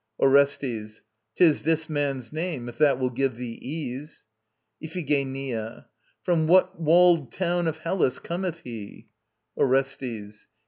ORESTES. 'Tis this man's name, if that will give thee ease. IPHIGENIA. From what walled town of Hellas cometh he? ORESTES.